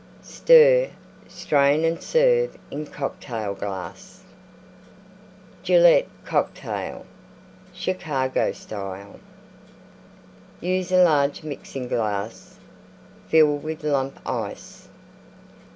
Stir; strain and serve in Cocktail glass. GILLETTE COCKTAIL Chicago Style Use a large Mixing glass; fill with Lump Ice.